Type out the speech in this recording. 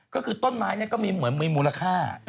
ก็คือต้นไม้เนี่ยก็มีเหมือนมูลค่า